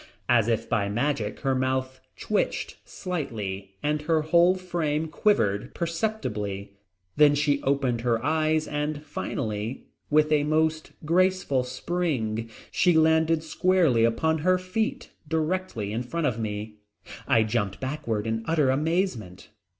As if by magic her mouth twitched slightly and her whole frame quivered perceptibly; then she opened her eyes and finally with a most graceful spring she landed squarely upon her feet directly in front of me. I jumped backward in utter amazement.